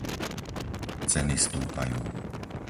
Ceny stúpajú.